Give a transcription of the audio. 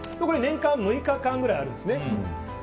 年間６日間ぐらいあるんですね。